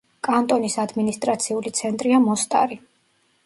კანტონის ადმინისტრაციული ცენტრია მოსტარი.